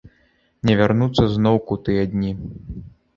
Не вярнуцца зноўку тыя дні.